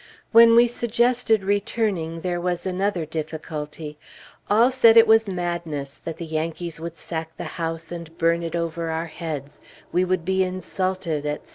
When we suggested returning, there was another difficulty. All said it was madness; that the Yankees would sack the house and burn it over our heads; we would be insulted, etc.